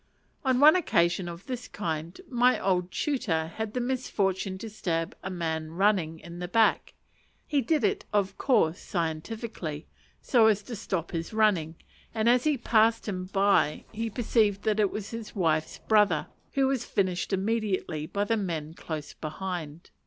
On one occasion of this kind my old tutor had the misfortune to stab a running man in the back: he did it of course scientifically, so as to stop his running; and as he passed him by he perceived it was his wife's brother, who was finished immediately by the men close behind.